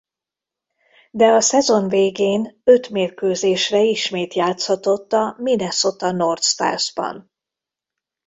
De a szezon végén öt mérkőzésre ismét játszhatott a Minnesota North Starsban.